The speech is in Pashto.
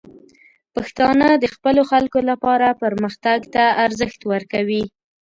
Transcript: پښتانه د خپلو خلکو لپاره پرمختګ ته ارزښت ورکوي.